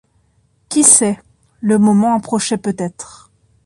Qui sait? le moment approchait peut-être.